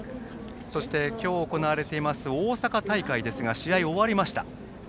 そして、今日行われています大阪大会ですが試合が終わりました。